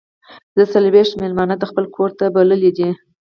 زه څلور ویشت میلمانه د خپل کور ته بللي دي.